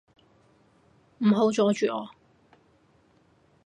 唔好阻住我